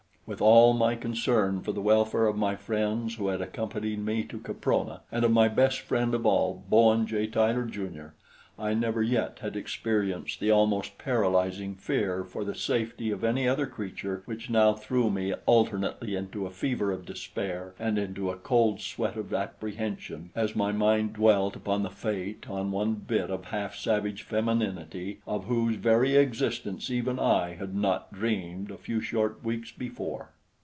With all my concern for the welfare of my friends who had accompanied me to Caprona, and of my best friend of all, Bowen J. Tyler, Jr., I never yet had experienced the almost paralyzing fear for the safety of any other creature which now threw me alternately into a fever of despair and into a cold sweat of apprehension as my mind dwelt upon the fate on one bit of half savage femininity of whose very existence even I had not dreamed a few short weeks before.